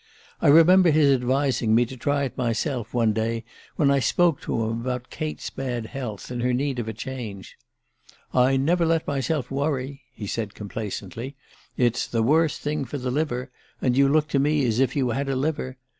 .. I remember his advising me to try it myself, one day when I spoke to him about Kate's bad health, and her need of a change. 'I never let myself worry,' he said complacently. 'It's the worst thing for the liver and you look to me as if you had a liver.